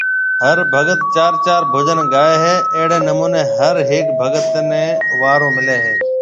هر ڀگت چار چار بجن گائيَ هيَ اهڙيَ نمونيَ هر هيڪ ڀگت نيَ وارو مليَ هيَ